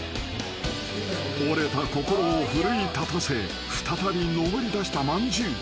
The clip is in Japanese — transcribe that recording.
［折れた心を奮い立たせ再び上りだしたまんじゅう］